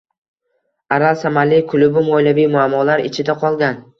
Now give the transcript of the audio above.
Aral Samali klubi moliyaviy muammolar ichida qolgan